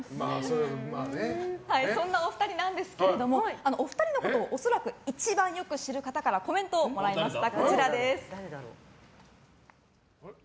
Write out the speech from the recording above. そんなお二人なんですけどもお二人のことを恐らく一番よく知る方からコメントをもらいました。